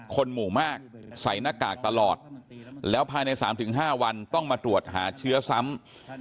คนหมู่มากใส่หน้ากากตลอดแล้วภายใน๓๕วันต้องมาตรวจหาเชื้อซ้ำ